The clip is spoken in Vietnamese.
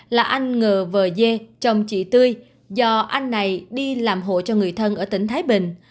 là anh ngờ vờ dê chồng chị tươi do anh này đi làm hộ cho người thân ở tỉnh thái bình